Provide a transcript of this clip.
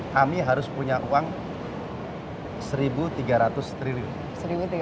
kami harus punya uang seribu tiga ratus triliun